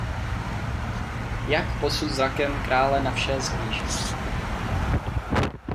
Jak posud zrakem krále na vše shlíží!